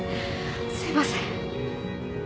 すいません。